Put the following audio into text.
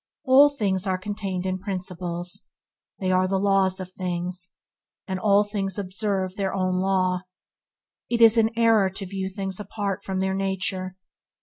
All things are contained in principles. They are the laws of things, and all things observe their own law. It is an error to view things apart from their nature.